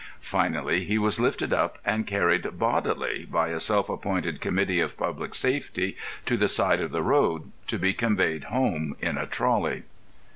Finally, he was lifted up and carried bodily, by a self appointed Committee of Public Safety, to the side of the road, to be conveyed home in a trolley.